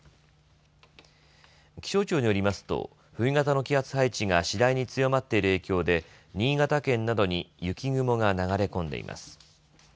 気象庁によりますと冬型の気圧配置が次第に強まっている影響で新潟県などに雪雲が流れ込んでいます。